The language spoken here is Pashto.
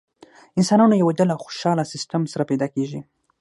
انسانانو یوه ډله خوشاله سیستم سره پیدا کېږي.